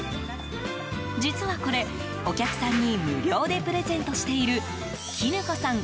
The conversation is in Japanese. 実はこれ、お客さんに無料でプレゼントしている絹子さん